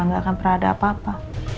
emang gak akan pernah ada apa apa